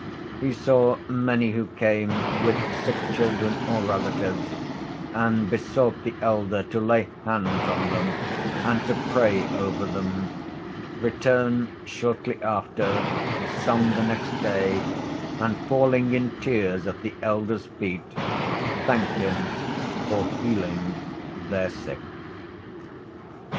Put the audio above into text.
He saw many who came with sick children or relatives and besought the elder to lay hands on them and to pray over them, return shortly after—some the next day—and, falling in tears at the elder's feet, thank him for healing their sick.